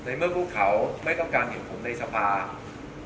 ในเมื่อพวกเขาไม่ต้องการเห็นผมในสภาพุทธแห่งวัฒนศาสดร